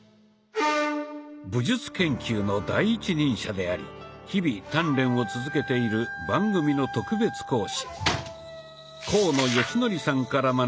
武術研究の第一人者であり日々鍛錬を続けている番組の特別講師